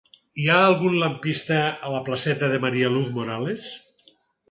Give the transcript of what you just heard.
Hi ha algun lampista a la placeta de María Luz Morales?